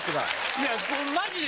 いやマジで。